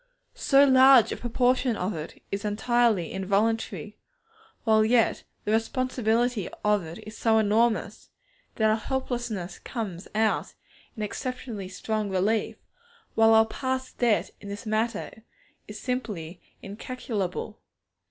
So large a proportion of it is entirely involuntary, while yet the responsibility of it is so enormous, that our helplessness comes out in exceptionally strong relief, while our past debt in this matter is simply incalculable.